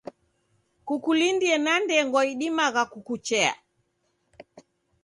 Kukulindie na ndengwa idimagha kukuchea.